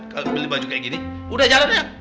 kalo beli baju kaya gini udah jalan ya